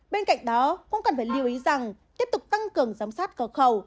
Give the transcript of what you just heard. bên cạnh đó cũng cần phải lưu ý rằng tiếp tục tăng cường giám sát cờ khẩu